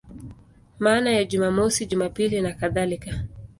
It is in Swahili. Maana ya Jumamosi, Jumapili nakadhalika.